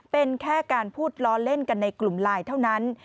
เป็นแค่การพูดล้อเล่นกันในกลุ่มไลน์เท่านั้น